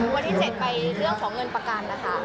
วันที่๗ไปเรื่องของเงินประกันนะคะ